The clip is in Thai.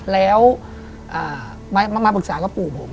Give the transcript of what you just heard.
แล้วมาปรึกษากับปู่ผม